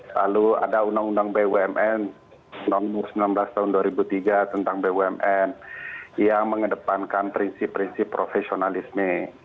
lalu ada undang undang bumn nomor sembilan belas tahun dua ribu tiga tentang bumn yang mengedepankan prinsip prinsip profesionalisme